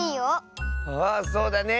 あそうだね！